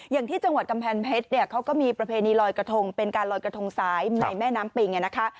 อย่างที่จังหวัดกำแพงเพชรเนี่ยเขาก็มีประเพณีลอยกระทงเป็นการลอยกระทงสายในแม่น้ำปิงนะคะ